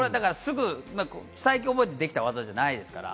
最近覚えてできた技じゃないですから。